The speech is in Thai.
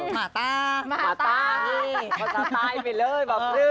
หมาตาหมาตาเขาจะตายไปเลย